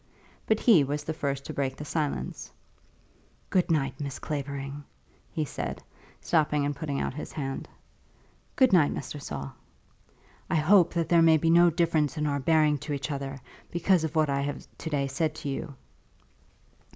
But he was the first to break the silence. "Good night, Miss Clavering," he said, stopping and putting out his hand. "Good night, Mr. Saul." "I hope that there may be no difference in our bearing to each other, because of what I have to day said to you?"